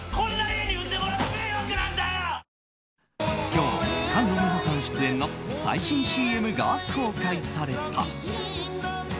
今日、菅野美穂さん出演の最新ＣＭが公開された。